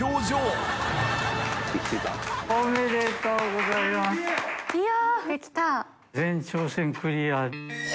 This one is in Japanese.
おめでとうございます！